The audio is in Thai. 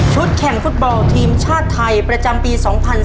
แข่งฟุตบอลทีมชาติไทยประจำปี๒๕๕๙